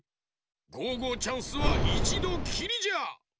ゴーゴーチャンスはいちどきりじゃ！